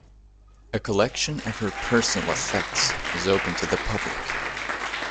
A collection of her personal effects is open to the public.